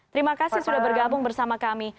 terima kasih sudah bergabung bersama kami